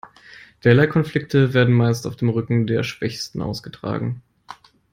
Derlei Konflikte werden meistens auf dem Rücken der Schwächsten ausgetragen.